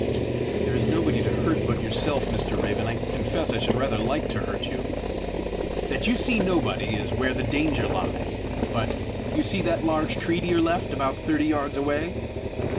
"There is nobody to hurt but yourself, Mr. Raven! I confess I should rather like to hurt you!" "That you see nobody is where the danger lies. But you see that large tree to your left, about thirty yards away?"